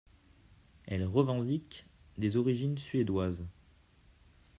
Elle revendique des origines suédoises.